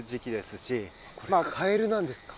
カエルなんですか？